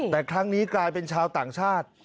แต่ครั้งนี้กลายเป็นชาวต่างชาติ